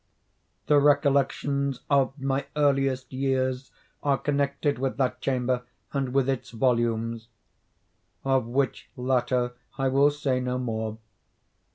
The recollections of my earliest years are connected with that chamber, and with its volumes—of which latter I will say no more.